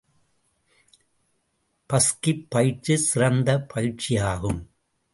பஸ்கிப் பயிற்சி சிறந்த பயிற்சியாகும்.